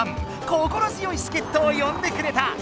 心強いすけっとをよんでくれた！